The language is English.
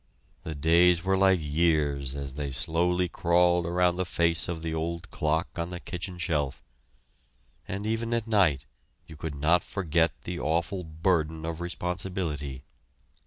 The days were like years as they slowly crawled around the face of the old clock on the kitchen shelf, and even at night you could not forget the awful burden of responsibility.